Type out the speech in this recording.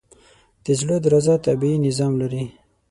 د زړه درزا طبیعي نظام لري.